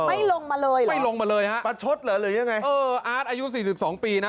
ไม่ลงมาเลยเหรอไม่ลงมาเลยฮะประชดเหรอหรือยังไงเอออาร์ตอายุสี่สิบสองปีนะ